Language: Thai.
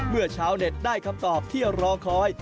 ชาวเน็ตได้คำตอบที่รอคอย